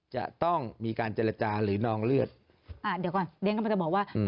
จะต้องมีการเจรจาหรือนองเลือดอ่าเดี๋ยวก่อนเรียนกำลังจะบอกว่าอืม